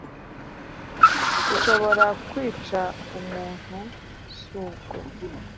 ushobora kwica umuntu subwo